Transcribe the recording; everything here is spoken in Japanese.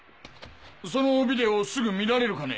そのビデオすぐ観られるかね？